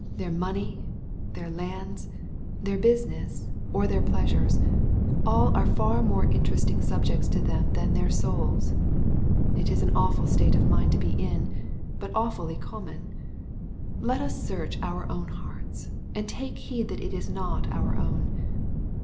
Their money, — their lands, — their business, 282 EXPOSITORT THOUGHTS. or their pleasures^ are all &r more interesting subjects to them than their souls. — It is an awful state of mind to be in^ but awfully common. Let us search our own hearts^ and take heed that it is not our own.